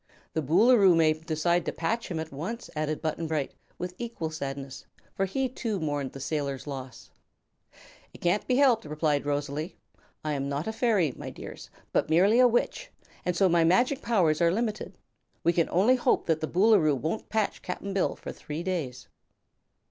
"The Boolooroo may decide to patch him at once," added Button Bright, with equal sadness, for he too mourned the sailor's loss. "It can't be helped," replied Rosalie. "I am not a fairy, my dears, but merely a witch, and so my magic powers are limited. We can only hope that the Boolooroo won't patch Cap'n Bill for three days."